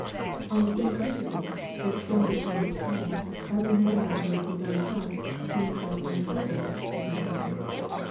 "On the same principle, extended in its scale, every man might make his own house, furniture, and clothing," said Miss Norwood.